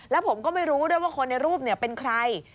แล้วผมก็ไม่รู้ด้วยว่าคนในรูปเป็นใคร